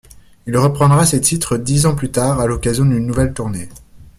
Il reprendra ces titres dix ans plus tard à l'occasion d'une nouvelle tournée.